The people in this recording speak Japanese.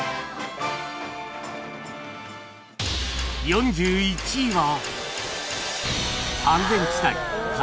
４１位は